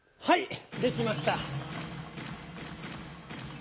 はい。